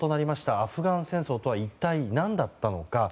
アフガン戦争とは一体、何だったのか。